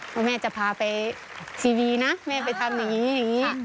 ว่าแม่จะพาไปทีวีนะแม่ไปทำอย่างนี้อย่างนี้